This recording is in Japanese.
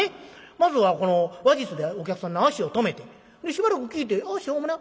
まずはこの話術でお客さんの足を止めてでしばらく聞いて「あしょうもな」